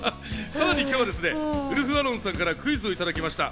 さらに今日はウルフ・アロンさんからクイズをいただきました。